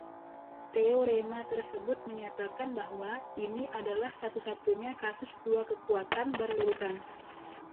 Teorema tersebut menyatakan bahwa ini adalah "satu-satunya" kasus dua kekuatan berurutan.